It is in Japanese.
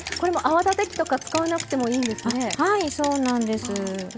泡立て器とかも使わなくてもいいんですね。